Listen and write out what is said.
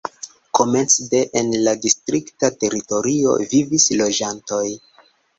Komence de en la distrikta teritorio vivis loĝantoj.